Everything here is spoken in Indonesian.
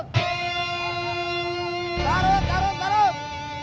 tarut tarut tarut